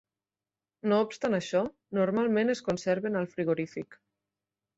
No obstant això, normalment es conserven al frigorífic.